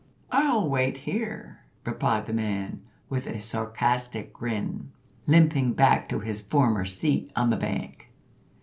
"I'll wait here," replied the man, with a sarcastic grin, limping back to his former seat on the bank.